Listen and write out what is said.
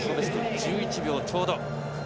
１１秒ちょうど。